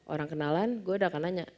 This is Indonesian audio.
orang kenalan gue udah akan nanya